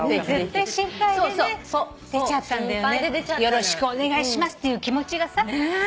よろしくお願いしますっていう気持ちがさ。